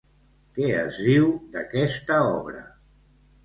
Què es diu d'aquesta obra?